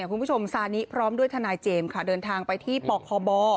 คุณผู้ชมซานิพร้อมด้วยทนายเจมส์ค่ะเดินทางไปที่ปคบ